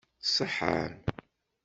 Tṣeḥḥam?